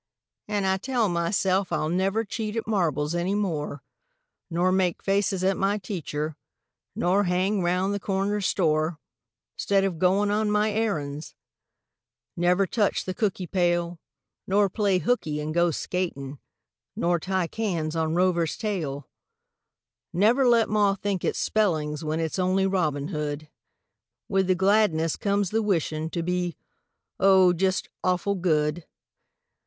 An' I tell myself I'll never Cheat at marbles any more, Nor make faces at my teacher, Nor hang round the corner store 'Stead of goin' on my errands; Never touch the cookie pail, Nor play hooky an' go skatin', Nor tie cans on Rover's tail; Never let ma think it's spellings When it's only Robin Hood. With the gladness comes the wishin' To be, oh, just awful good!